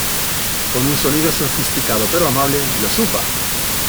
Con un sonido sofisticado pero amable, los Upa!